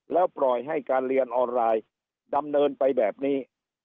แล้วปล่อยให้การเรียนออนไลน์ดำเนินไปแบบนี้